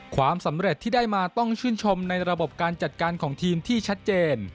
ความสำเร็จที่ได้มาต้องชื่นชมในระบบการจัดการของทีมที่ชัดเจน